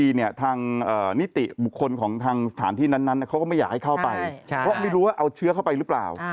หนึ่งไม่รู้ว่าเอาเชื้อเข้าไปหรือเปล่า